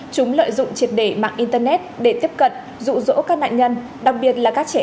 chúng lợi dụng triệt đề mạng internet để tiếp cận dụ dỗ các nạn nhân